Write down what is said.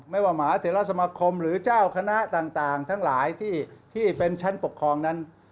ไม่ว่าหมาเถระสมคมหรือเจ้าคณะต่างทั้งหลายที่เป็นชั้นปกครองนั้น